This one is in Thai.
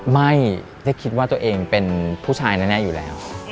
ไม่ได้คิดว่าตัวเองเป็นผู้ชายแน่อยู่แล้ว